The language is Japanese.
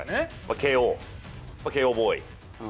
慶応ボーイ。